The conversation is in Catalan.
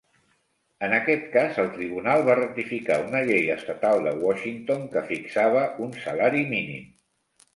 En aquest cas, el tribunal va ratificar una llei estatal de Washington que fixava un salari mínim.